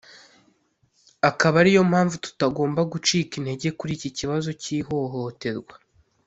akaba ariyo mpamvu tutagomba gucika intege kuri iki kibazo cy’ihohoterwa